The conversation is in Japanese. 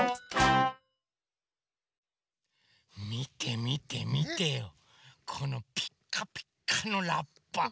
みてみてみてよこのピッカピッカのラッパ。